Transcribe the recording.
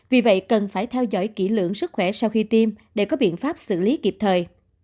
vì vậy cần phải theo dõi kỹ lượng sức khỏe sau khi tiêm để có biện pháp xử lý kịp thời